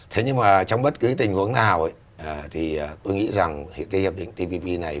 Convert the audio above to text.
thế nhưng mà trong bất cứ tình huống nào thì tôi nghĩ rằng cái hiệp định tpp này